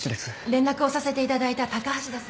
連絡をさせていただいた高橋です。